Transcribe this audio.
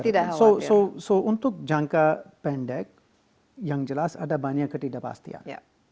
jadi untuk jangka pendek yang jelas ada banyak ketidakpastian